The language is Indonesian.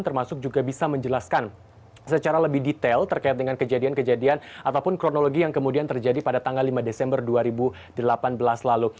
termasuk juga bisa menjelaskan secara lebih detail terkait dengan kejadian kejadian ataupun kronologi yang kemudian terjadi pada tanggal lima desember dua ribu delapan belas lalu